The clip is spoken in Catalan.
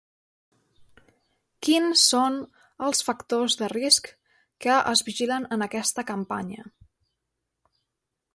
Quins són els factors de risc que es vigilen en aquesta campanya?